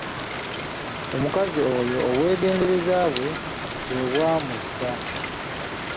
Omukazi oyo obwegendereza bwe, bwe bwamussa.